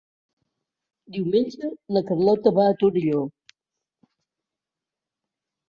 Diumenge na Carlota va a Torelló.